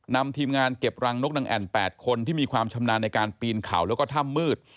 นำทีมงานเก็บรังนกนางแอ่น๘คนที่มีความชำนาญในการปีนเขาแล้วก็ถ้ำมืด